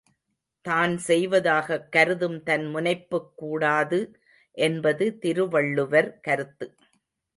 தான் செய்வதாகக் கருதும் தன்முனைப்புக் கூடாது என்பது திருவள்ளுவர் கருத்து.